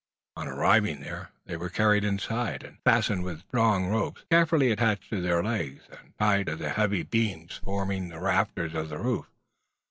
On arriving there, they were carried inside, and fastened with strong ropes carefully attached to their legs, and tied to the heavy beams forming the rafters of the roof.